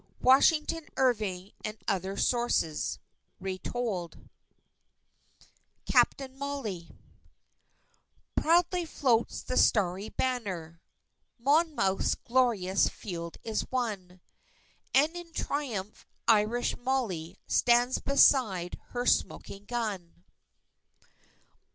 Washington Irving and Other Sources (Retold) CAPTAIN MOLLY _Proudly floats the starry banner; Monmouth's glorious field is won; And in triumph Irish Molly stands beside her smoking gun.